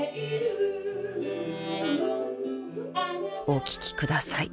［お聴きください